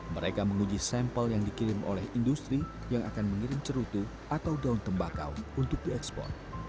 mereka menguji sampel yang dikirim oleh industri yang akan mengirim cerutu atau daun tembakau untuk diekspor